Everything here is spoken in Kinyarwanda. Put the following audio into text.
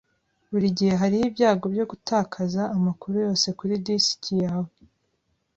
Burigihe hariho ibyago byo gutakaza amakuru yose kuri disiki yawe.